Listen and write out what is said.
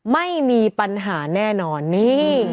ไม่มีปัญหาแน่นอนนี่